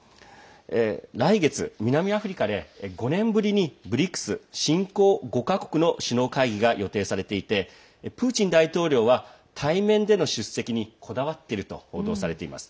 来月、南アフリカで５年ぶりにＢＲＩＣＳ＝新興５か国の首脳会議が予定されていてプーチン大統領は対面での出席にこだわっていると報道されています。